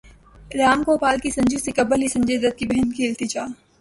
رام گوپال کی سنجو سے قبل ہی سنجے دت کی بہن کی التجا